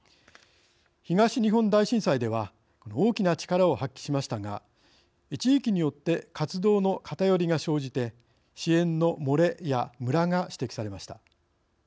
東日本大震災では大きな力を発揮しましたが地域によって活動の偏りが生じて支援のもれやむらが指摘されました。